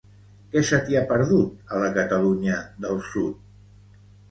Què se t'hi ha perdut, a la Catalunya del sud?